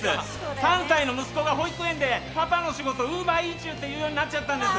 ３歳の息子が保育園で、パパの仕事がウーバーイーチュって言うようになったんです。